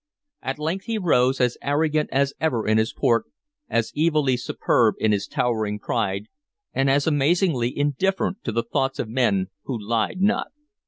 At length he rose, as arrogant as ever in his port, as evilly superb in his towering pride, and as amazingly indifferent to the thoughts of men who lied not.